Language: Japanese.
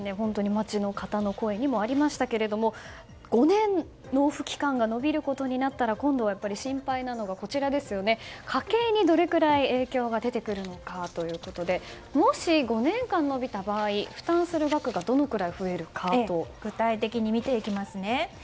街の方の声にもありましたが５年、納付期間が延びることになったら今度は心配なのが家計にどれくらい影響が出てくるのかということでもし５年間延びた場合負担する額が具体的に見ていきますね。